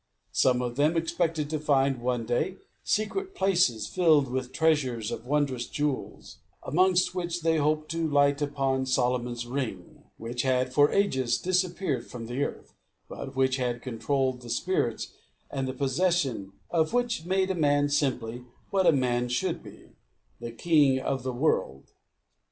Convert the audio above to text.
Some of them expected to find, one day, secret places, filled with treasures of wondrous jewels; amongst which they hoped to light upon Solomon's ring, which had for ages disappeared from the earth, but which had controlled the spirits, and the possession of which made a man simply what a man should be, the king of the world.